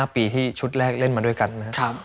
๕ปีที่ชุดแรกเล่นมาด้วยกันนะครับ